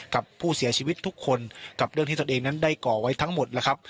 กับผู้เสียชีวิตทุกคนกับเรื่องที่ตนเองนั้นได้ก่อไว้ทั้งหมดแล้วครับ